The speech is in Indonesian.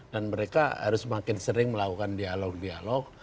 dan mereka harus makin sering melakukan dialog di atas